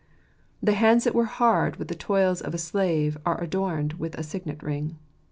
The hands that were hard with the toils of a slave are adorned with a signet ring.